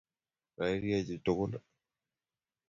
rairie chii tuggul